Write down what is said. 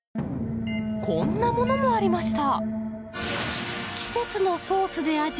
こんなものもありました